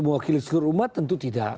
mewakili seluruh umat tentu tidak